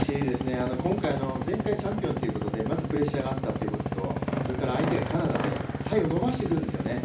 今回、前回チャンピオンということでプレッシャーがあったことと相手がカナダで最後、伸ばしてくるんですよ。